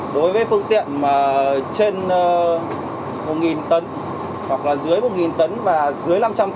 đối với phương tiện mà trên một tấn hoặc là dưới một tấn và dưới năm trăm linh tấn